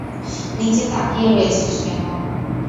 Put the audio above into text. নীচে তাকিয়ে রয়েছিস কেন?